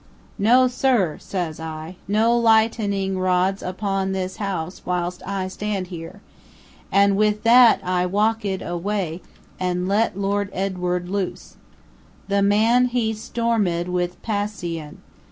'No, sir,' says I. 'No light en ing rods upon this house whilst I stand here,' and with that I walk ed away, and let Lord Edward loose. The man he storm ed with pas si on.